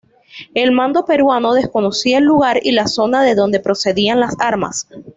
El mando peruano desconocía el lugar y la zona de donde procedían las armas.